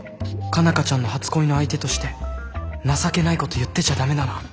佳奈花ちゃんの初恋の相手として情けないこと言ってちゃダメだな。